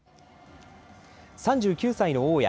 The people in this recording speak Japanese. ３９歳の大矢。